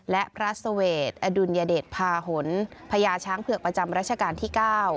และพระเสวทอดุลยเดชภาหลพญาช้างเผือกประจำรัชกาลที่๙